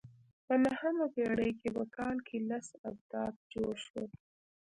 په نهمه پېړۍ کې په کال کې لس آبدات جوړ شول